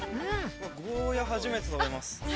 ◆ゴーヤ、初めて食べます。